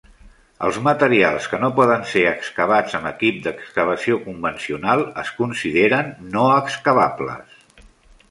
Els materials que no poden ser excavats amb equip d'excavació convencional es consideren no excavables.